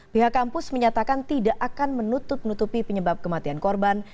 pihak kampus menyatakan tidak akan menutup nutupi penyebab kematian korban